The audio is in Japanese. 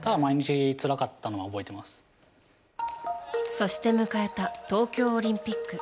そして迎えた東京オリンピック。